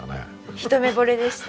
一目ぼれでした。